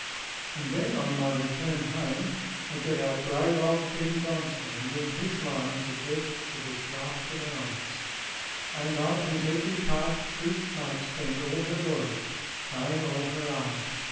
And then on my return home, I get out brave old Ben Jonson, and read his lines addressed to this last of the knights: "... and on whose every part Truth might spend all her voice, Fame all her art.